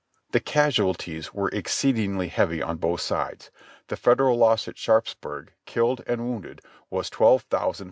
The casualties were exceedingly heavy on both sides ; the Fed eral loss at Sharpsburg, killed and wounded, was twelve thousand f.